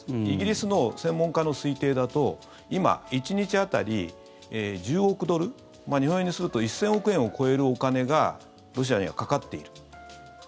イギリスの専門家の推定だと今、１日当たり１０億ドル日本円にすると１０００億円を超えるお金がロシアにはかかっていると。